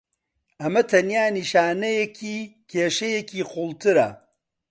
ئەمە تەنیا نیشانەیەکی کێشەیەکی قوڵترە.